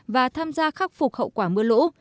và tham gia khắc phục hậu quả mưa lũ